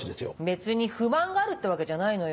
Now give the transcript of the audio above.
別に不満があるってわけじゃないのよ。